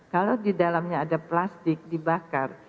kalau di dalamnya ada plastik dibakar